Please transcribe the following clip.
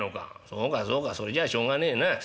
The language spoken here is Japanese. そうかそうかそれじゃあしょうがねえなあ。